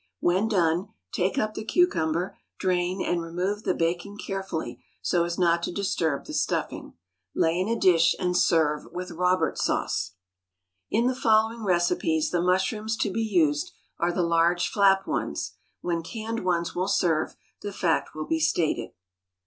When done, take up the cucumber, drain, and remove the bacon carefully so as not to disturb the stuffing. Lay in a dish, and serve with Robert sauce. In the following recipes the mushrooms to be used are the large flap ones. When canned ones will serve, the fact will be stated.